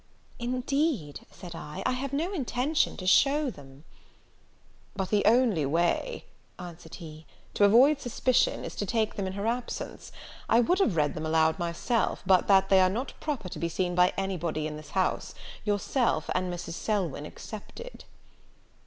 "Indeed," said I, "I have no intention to show them." "But the only way," answered he, "to avoid suspicion, is to take them in her absence. I would have read them aloud myself, but that they are not proper to be seen by any body in this house, yourself and Mrs. Selwyn excepted."